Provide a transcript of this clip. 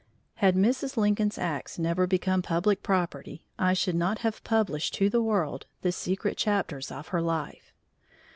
Had Mrs. Lincoln's acts never become public property, I should not have published to the world the secret chapters of her life.